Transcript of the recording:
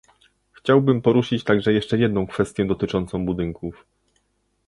Chciałbym poruszyć także jeszcze jedną kwestię dotyczącą budynków